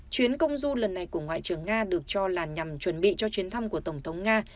chuyến công du lần này của ngoại trưởng nga được cho là nhằm chuẩn bị cho chuyến thăm của tổng thống nga